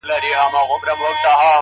هوډ د ستونزو سیوري کموي؛